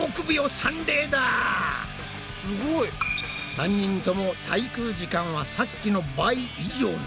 ３人とも滞空時間はさっきの倍以上に！